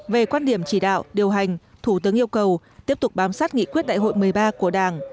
về quan điểm chỉ đạo điều hành thủ tướng yêu cầu tiếp tục bám sát nghị quyết đại hội một mươi ba của đảng